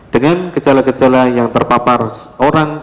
dengan gejala gejala yang terpapar orang